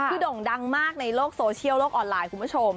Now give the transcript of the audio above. คือโด่งดังมากในโลกโซเชียลโลกออนไลน์คุณผู้ชม